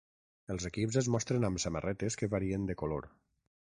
Els equips es mostren amb samarretes que varien de color.